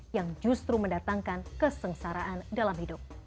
yang justru mendatangkan kesengsaraan dalam hidup